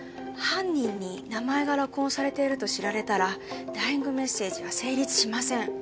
犯人に名前が録音されていると知られたらダイイングメッセージが成立しません。